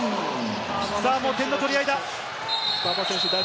もう点の取り合いだ。